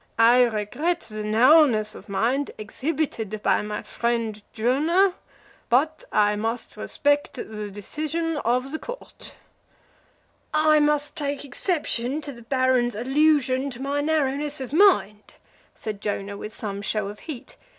I regret the narrowness of mind exhibited by my friend Jonah, but I must respect the decision of the court." "I must take exception to the Baron's allusion to my narrowness of mind," said Jonah, with some show of heat.